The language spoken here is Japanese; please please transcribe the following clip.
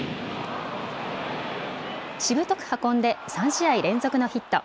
しぶとく運んで３試合連続のヒット。